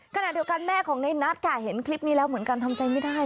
ขณะเดียวกันแม่ของในนัทค่ะเห็นคลิปนี้แล้วเหมือนกันทำใจไม่ได้